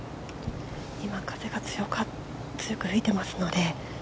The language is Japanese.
今、風が強く吹いていますので。